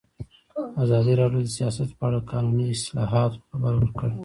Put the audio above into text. ازادي راډیو د سیاست په اړه د قانوني اصلاحاتو خبر ورکړی.